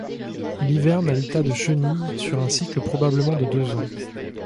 Il hiverne à l'état de chenille sur un cycle probablement de deux ans.